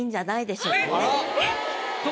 えっ？